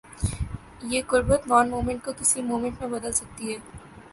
یہ قربت non movement کو کسی موومنٹ میں بدل سکتی ہے۔